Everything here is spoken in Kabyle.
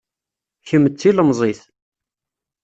Kemm d tilemẓit